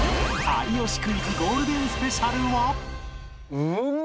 『有吉クイズ』ゴールデンスペシャルは